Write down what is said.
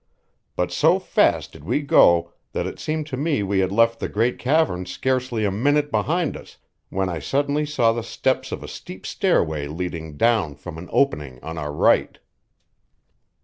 But so fast did we go that it seemed to me we had left the great cavern scarcely a minute behind us when I suddenly saw the steps of a steep stairway leading down from an opening on our right.